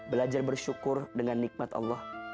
belajar bersyukur dengan nikmat allah